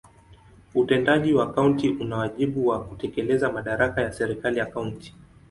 Utendaji wa kaunti una wajibu wa kutekeleza madaraka ya serikali ya kaunti.